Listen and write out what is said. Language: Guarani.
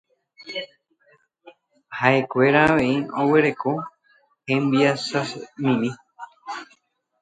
Ha'ekuéra avei oguereko hembiasamimi.